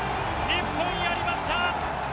日本やりました！